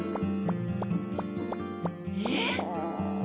えっ？